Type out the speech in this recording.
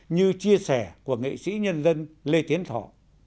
như chia sẻ của nghệ sĩ nhân dân lê tiến thọ